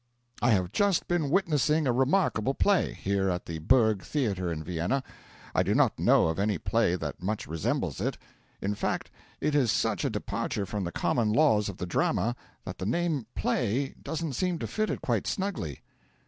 I have just been witnessing a remarkable play, here at the Burg Theatre in Vienna. I do not know of any play that much resembles it. In fact, it is such a departure from the common laws of the drama that the name 'play' doesn't seem to fit it quite snugly.